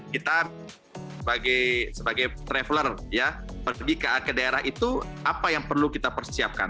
kita sebagai traveler pergi ke daerah itu apa yang perlu kita persiapkan